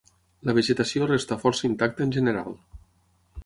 La vegetació resta força intacta en general.